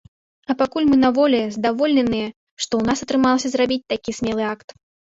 Але пакуль мы на волі, задаволеныя, што ў нас атрымалася зрабіць такі смелы акт.